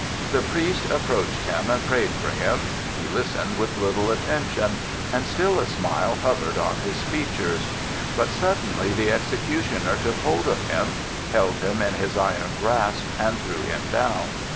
The priest approached him and prayed for him. He listened with little attention, and still a smile hovered on his features. But suddenly the executioner took hold of him, held him in his iron grasp, and threw him down.